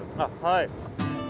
はい。